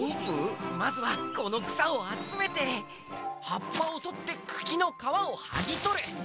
まずはこのくさをあつめてはっぱをとってくきのかわをはぎとる。